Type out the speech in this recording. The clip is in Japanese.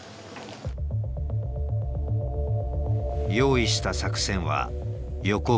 用意した作戦は横歩取り。